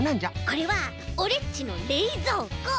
これはオレっちのれいぞうこ！